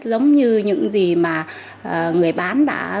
giống như những gì mà người bán đã